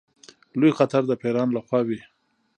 لوی خطر د پیرانو له خوا وي.